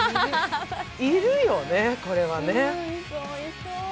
いるよね、これはね。